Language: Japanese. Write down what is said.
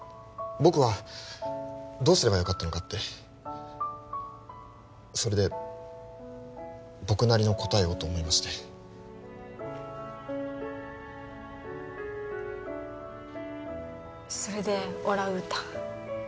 僕はどうすればよかったのかってそれで僕なりの答えをと思いましてそれでオランウータン